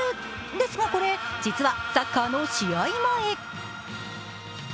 ですがこれ、サッカーの試合前。